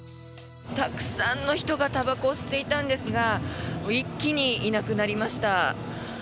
たくさんの人がたばこを吸っていたんですが一気にいなくなりました。